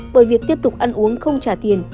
bởi việc tiếp tục ăn uống không trả tiền